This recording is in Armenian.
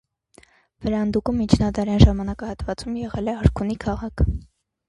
Վրանդուկը միջնադարյան ժամանակահատվածում եղել է արքունի քաղաք։